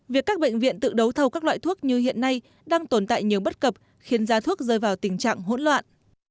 việc các bệnh viện tự đấu thầu các loại thuốc như hiện nay đang tồn tại nhiều bất cập khiến giá thuốc rơi vào tình trạng hỗn loạn